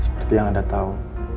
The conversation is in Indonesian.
seperti yang anda tahu